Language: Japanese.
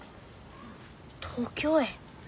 東京へ？